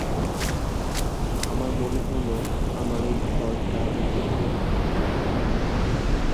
আমার মনে হল, আমার এই ঘরটার বুকের ভিতরটার কান্না।